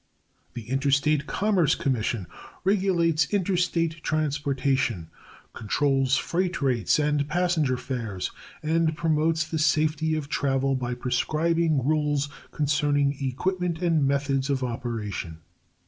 The Interstate Commerce Commission regulates interstate transportation, controls freight rates and passenger fares, and promotes the safety of travel by prescribing rules concerning equipment and methods of operation.